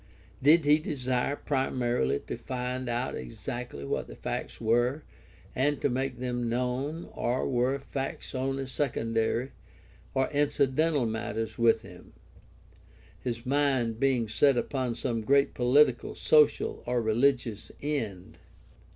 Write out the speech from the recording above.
Did he desire primarily to find out exactly what the facts were and to make them known, or were facts only secondary or incidental matters with him, his mind being set upon some great political, social, or religious end